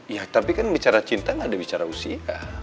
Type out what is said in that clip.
ya tapi kan bicara cinta gak ada bicara usia